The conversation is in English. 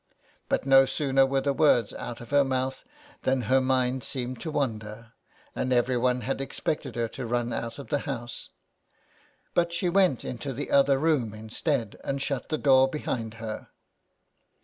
But no sooner were the words out of her mouth than her mind seemed to wander, and everyone had expected her to run out of the house. But she went into the other room instead, and shut the door behind her.